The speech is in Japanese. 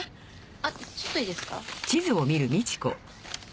あっちょっといいですか？